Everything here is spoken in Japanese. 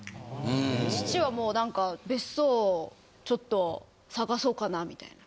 父はもう何か別荘ちょっと探そうかなみたいな。